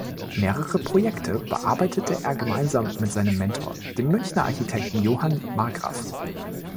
Mehrere Projekte bearbeitete er gemeinsam mit seinem Mentor, dem Münchner Architekten Johann Marggraff.